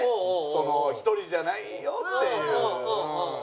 その「ひとりじゃないよ」っていう。